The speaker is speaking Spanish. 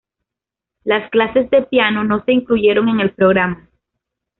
Las clases de piano no se incluyeron en el programa.